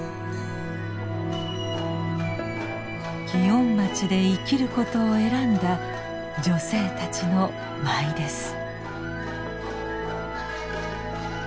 祇園町で生きることを選んだ女性たちの舞です。